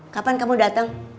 kapan kamu datang